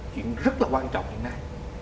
chuyện rất là quan trọng hiện nay